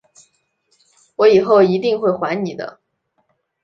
我以后一定会还你的